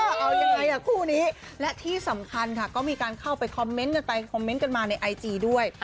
เอายังไงล่ะคู่นี้และที่สำคัญค่ะก็มีการเข้าไปคอมเมนต์กันไปคอมเมนต์กันมาในไอจีด้วย